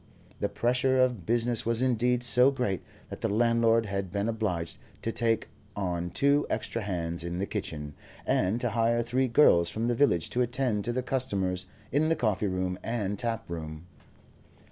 The pressure of business was indeed so great that the landlord had been obliged to take on two extra hands in the kitchen, and to hire three girls from the village to attend to the customers in the coffee room and tap room.